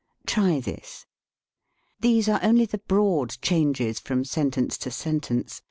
Try this. These are only the broad changes from sentence to sentence.